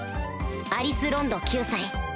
アリス・ロンド９歳